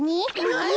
えっ！？